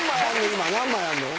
今何枚あんの？